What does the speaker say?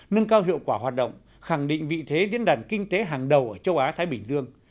nâng cao hiệu quả hoạt động khẳng định vị thế diễn đàn kinh tế hàng đầu ở châu á thái bình dương